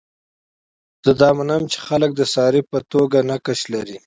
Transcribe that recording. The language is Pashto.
زه دا منم چې خلک د صارف په توګه نقش لري.